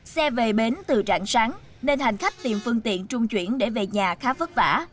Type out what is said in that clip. xe về bến từ trạng sáng nên hành khách tìm phương tiện trung chuyển để về nhà khá vất vả